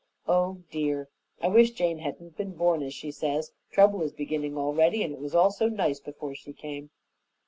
Oh, dear! I wish Jane hadn't been born, as she says. Trouble is beginning already, and it was all so nice before she came."